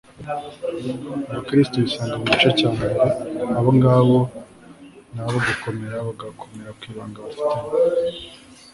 abakristu bisanga mu gice cya mbere, abo ngabo ni abo gukomera bagakomera ku ibanga bafitanye